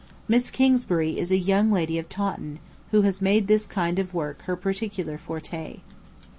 Miss Kingsbury is a young lady of Taunton, who has made this kind of work her peculiar forte.